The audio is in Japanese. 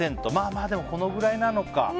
まあ、このくらいなのか。